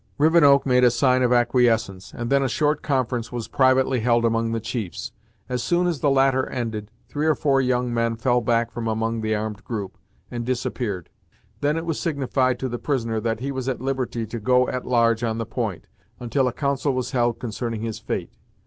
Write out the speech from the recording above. Rivenoak made a sign of acquiescence, and then a short conference was privately held among the chiefs. As soon as the latter ended, three or four young men fell back from among the armed group, and disappeared. Then it was signified to the prisoner that he was at liberty to go at large on the point, until a council was held concerning his fate.